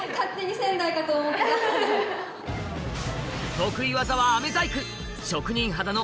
得意技は飴細工